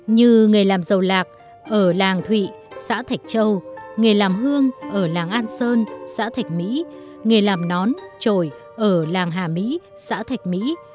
như nghề làm dầu lạc ở làng thụy xã thạch châu nghề làm hương ở làng an sơn xã thạch mỹ nghề làm nón trồi ở làng hà mỹ xã thạch mỹ